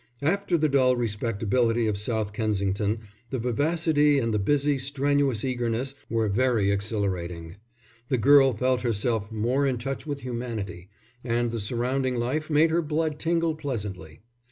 After the dull respectability of South Kensington, the vivacity and the busy, strenuous eagerness were very exhilarating. The girl felt herself more in touch with humanity, and the surrounding life made her blood tingle pleasantly.